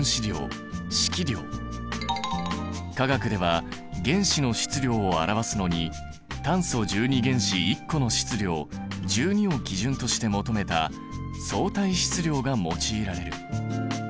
化学では原子の質量を表すのに炭素１２原子１個の質量１２を基準として求めた相対質量が用いられる。